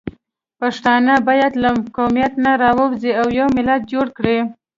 پښتانه باید له قومیت نه راووځي او یو ملت جوړ کړي